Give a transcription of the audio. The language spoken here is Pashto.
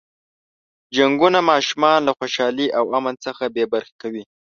جنګونه ماشومان له خوشحالۍ او امن څخه بې برخې کوي.